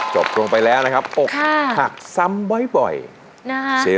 สร้างแบบพี่ปีฟองมเฉย